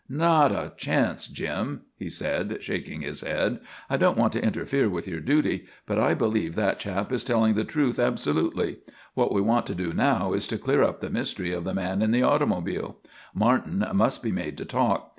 "Not a chance, Jim," he said, shaking his head. "I don't want to interfere with your duty, but I believe that chap is telling the truth absolutely. What we want to do now is to clear up the mystery of the man in the automobile. Martin must be made to talk.